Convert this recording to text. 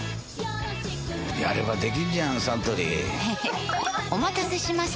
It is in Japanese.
やればできんじゃんサントリーへへっお待たせしました！